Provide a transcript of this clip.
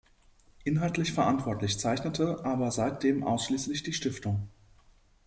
Inhaltlich verantwortlich zeichnete aber seitdem ausschließlich die Stiftung.